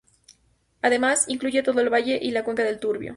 Además, incluye todo el valle y la cuenca del Turbio.